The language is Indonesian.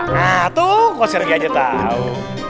nah tuh konser gaya aja tau